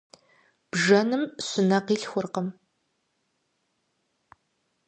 Бжэным щынэ къилъхуркъым.